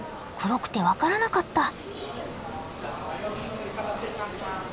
黒くて分からなかった。